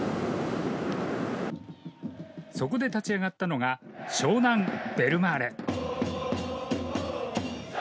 そこで立ち上がったのが湘南ベルマーレ。